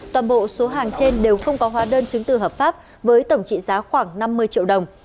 toàn bộ số hàng trên đều không có hóa đơn chứng từ hợp pháp với tổng trị giá khoảng năm mươi triệu đồng